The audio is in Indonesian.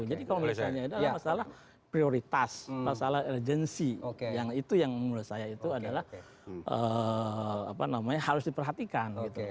jadi kalau misalnya ada masalah prioritas masalah ergensi yang itu yang menurut saya itu adalah harus diperhatikan